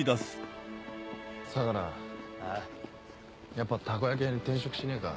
やっぱたこ焼き屋に転職しねえか？